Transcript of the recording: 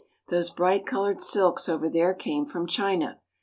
Those bright colored silks over there came from China.